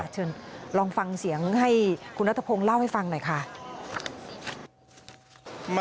เชิญลองฟังเสียงให้คุณนัทพงศ์เล่าให้ฟังหน่อยค่ะ